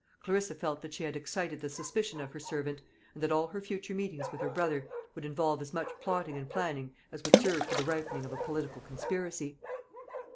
Clarissa felt that she had excited the suspicion of her servant, and that all her future meetings with her brother would involve as much plotting and planning as would serve for the ripening of a political conspiracy.